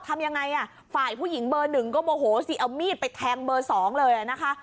ทำยังไงอ่ะฝ่ายผู้หญิงเบอร์หนึ่งก็โมโหสิเอามีดไปแทงเบอร์๒เลยนะคะ